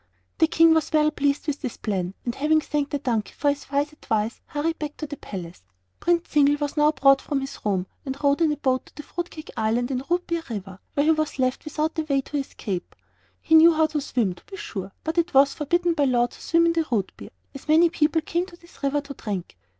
The King was well pleased with this plan, and having thanked the donkey for his wise advice hurried back to the palace. Prince Zingle was now brought from his room and rowed in a boat to the Fruit Cake Island in Rootbeer River, where he was left without any way to escape. He knew how to swim, to be sure, but it was forbidden by law to swim in the Rootbeer, as many people came to this river to drink.